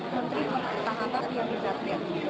menteri paham tahanan